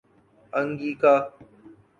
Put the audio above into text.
Angika